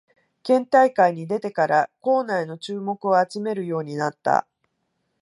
県大会に出てから校内の注目を集めるようになった